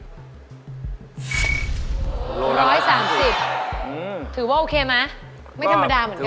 ๑๓๐หรอค่ะค่ะอืมถือว่าโอเคไหมไม่ธรรมดาเหมือนกัน